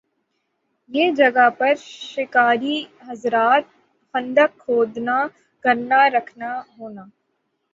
یِہ جگہ پر شکاری حضرات خندق کھودنا کرنا رکھنا ہونا